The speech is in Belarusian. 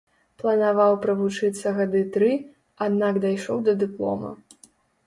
Планаваў правучыцца гады тры, аднак дайшоў да дыплома.